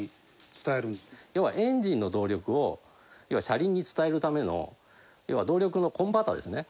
要はエンジンの動力を車輪に伝えるための要は動力のコンバータですね。